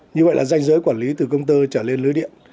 như vậy là danh giới quản lý từ công tơ trở lên lưới điện